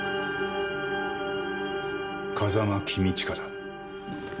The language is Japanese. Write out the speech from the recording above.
「風間公親だ」